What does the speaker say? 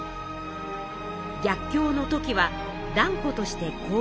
逆境の時は断固として行動を起こす。